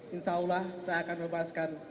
insya allah saya akan bebaskan